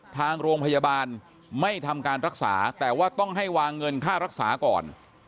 ทางโรงพยาบาลไม่ทำการรักษาแต่ว่าต้องให้วางเงินค่ารักษาก่อน